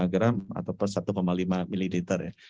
satu lima gram atau per satu lima mililiter